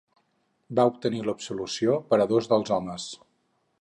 Va obtenir l'absolució per a dos dels homes.